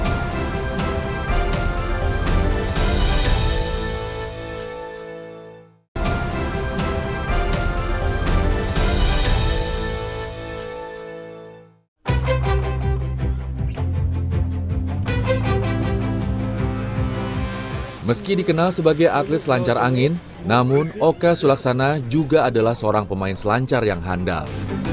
hai meski dikenal sebagai atlet selancar angin namun oka sulaksana juga adalah seorang pemain selancar yang handal